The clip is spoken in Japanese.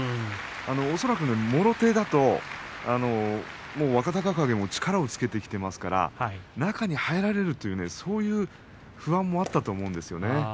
恐らく、もろ手だともう若隆景も力をつけていますから中に入られるという、そういう不安もあったと思うんですね。